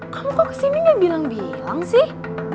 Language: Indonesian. kamu kok kesini gak bilang bilang sih